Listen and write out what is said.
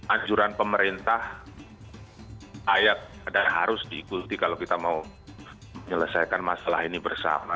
anjuran pemerintah ayat dan harus diikuti kalau kita mau menyelesaikan masalah ini bersama